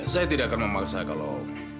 saya tidak akan memaksa kalau